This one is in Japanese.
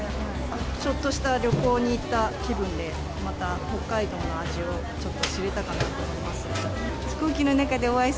ちょっとした旅行に行った気分で、また北海道の味をちょっと知れたかなと思います。